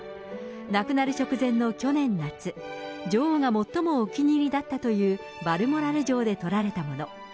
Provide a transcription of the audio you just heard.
亡くなる直前の去年夏、女王が最もお気に入りだったというバルモラル城で撮られたもの。